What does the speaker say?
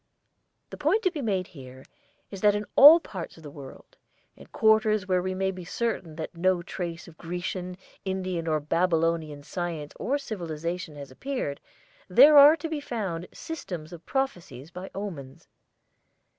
The point to be made here is that in all parts of the world in quarters where we may be certain that no trace of Grecian, Indian, or Babylonian science or civilization has appeared there are to be found systems of prophecies by omens.